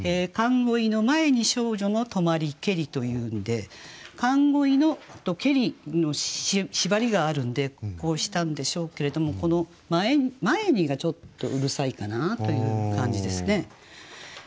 「寒鯉の前に少女の留まりけり」というんで「寒鯉の」と「けり」の縛りがあるんでこうしたんでしょうけれどもこの「前に」がちょっとうるさいかなという感じですね。